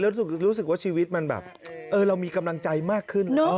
รู้สึกว่าชีวิตมันแบบเรามีกำลังใจมากขึ้น